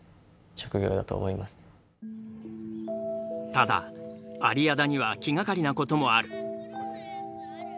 ただ有屋田には気がかりなこともある。